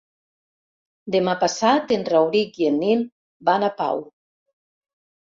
Demà passat en Rauric i en Nil van a Pau.